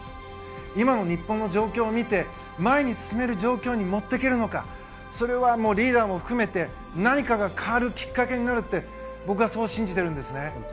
今の日本の状況を見て前に進める状況に持っていけるのかそれはリーダーも含めて何かが変わるきっかけになると僕はそう信じているんですね。